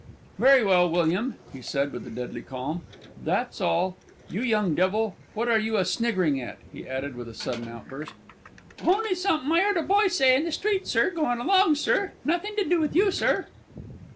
_" "Very well, William," he said, with a deadly calm; "that's all. You young devil! what are you a sniggering at?" he added, with a sudden outburst. "On'y something I 'eard a boy say in the street, sir, going along, sir; nothing to do with you, sir."